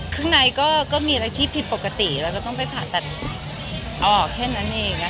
ข้างในก็มีอะไรที่ผิดปกติเราต้องไปผ่าอาณาจน์เอาออกแค่นั้นเองนะคะ